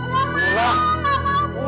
bapak rini tidak mau pulang